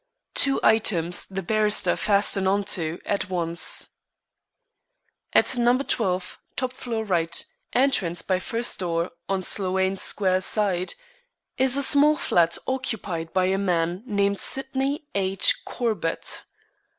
Two items the barrister fastened on to at once. "At No. 12, top floor right, entrance by first door on Sloane Square side, is a small flat occupied by a man named Sydney H. Corbett.